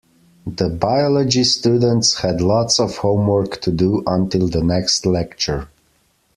The biology students had lots of homework to do until the next lecture.